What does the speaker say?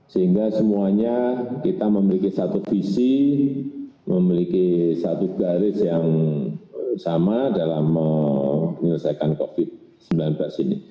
sehingga semuanya kita memiliki satu visi memiliki satu garis yang sama dalam menyelesaikan covid sembilan belas ini